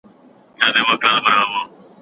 په بیړه کار نه کیږي.